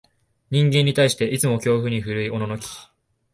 人間に対して、いつも恐怖に震いおののき、